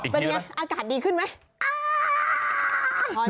เป็นไงอากาศดีขึ้นไหม